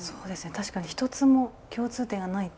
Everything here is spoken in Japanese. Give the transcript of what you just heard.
確かに一つも共通点がないと。